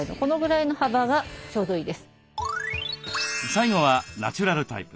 最後はナチュラルタイプ。